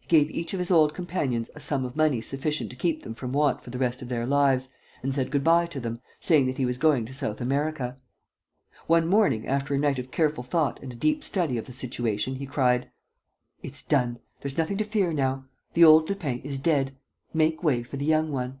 He gave each of his old companions a sum of money sufficient to keep them from want for the rest of their lives and said good bye to them, saying that he was going to South America. One morning, after a night of careful thought and a deep study of the situation, he cried: "It's done. There's nothing to fear now. The old Lupin is dead. Make way for the young one."